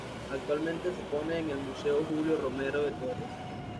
Actualmente se expone en el Museo Julio Romero de Torres.